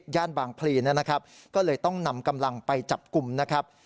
ย่านบางพลีนะครับก็เลยต้องนำกำลังไปจับกลุ่มนะครับ